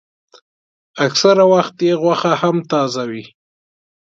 اکثره وخت یې غوښه هم تازه وي.